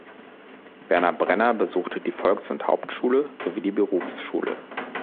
Werner Brenner besuchte die Volks- und Hauptschule sowie die Berufsschule.